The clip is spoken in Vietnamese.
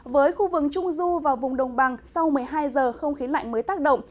với khu vực trung du và vùng đồng bằng sau một mươi hai giờ không khí lạnh mới tác động